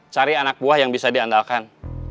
cari anak buah yang bisa diandalkan